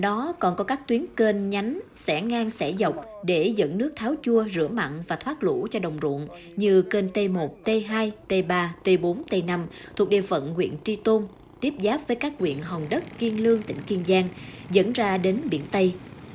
do đó còn có các tuyến kênh nhánh xẻ ngang xẻ dọc để dẫn nước tháo chua rửa mặn và thoát lũ cho đồng ruộng như kênh t một t hai t ba t bốn t năm thuộc địa phận nguyện tri tôn tiếp giáp với các nguyện hòn đất kiên lương tỉnh kiên giang dẫn ra đến biển tây